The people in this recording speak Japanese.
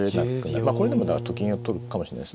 まあこれでもと金を取るかもしれないです。